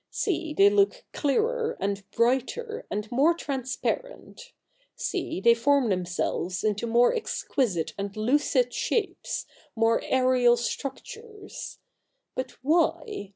See, they look clearer, and brighter, and more transparent — see, they form themselves into more ex quisite and lucid shapes, more aerial structures. But why